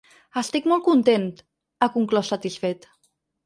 Estic molt content, ha conclòs satisfet.